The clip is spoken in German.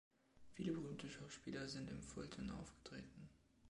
Viele berühmte Schauspieler sind im Fulton aufgetreten.